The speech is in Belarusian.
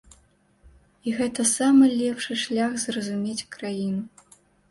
І гэта самы лепшы шлях зразумець краіну.